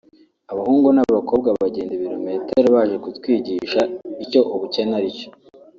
“Abahungu n’abakobwa bagenda ibilometero baje kutwigisha icyo ubukene ari cyo